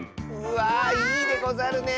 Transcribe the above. わあいいでござるね。